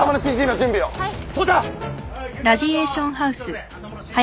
はい！